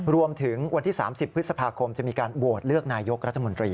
วันที่๓๐พฤษภาคมจะมีการโหวตเลือกนายกรัฐมนตรี